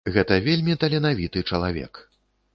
Гэта вельмі таленавіты чалавек.